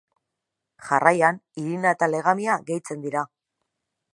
Jarraian irina eta legamia gehitzen dira.